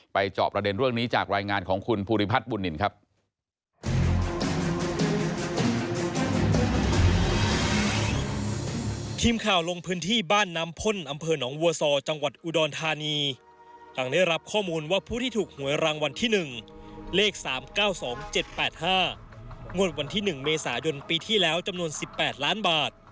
จอบประเด็นเรื่องนี้จากรายงานของคุณภูริพัฒน์บุญนินครับ